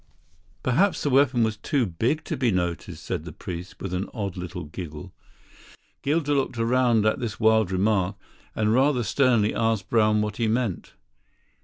"Perhaps the weapon was too big to be noticed," said the priest, with an odd little giggle. Gilder looked round at this wild remark, and rather sternly asked Brown what he meant.